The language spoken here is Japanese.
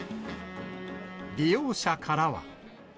利用者からは。